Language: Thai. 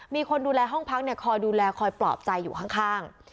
มีคนดูแลห้องพักคอยดูแลคอยปลอบใจอยู่ข้าง